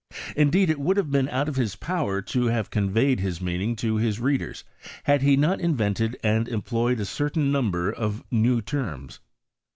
Indeed it would have been out of his power to have conveyed his meaning to his readers, had he not invented and employed a certain number of new terms.